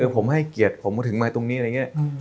ผมให้เกียรติผมถึงมาตรงนี้ว่างเนี่ย